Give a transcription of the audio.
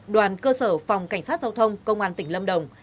đoàn cơ sở phòng cảnh sát giao thông công an tỉnh lâm đồng